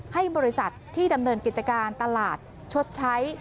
ให้บริษัทที่ดำเนินกิจการตลาดชดใช้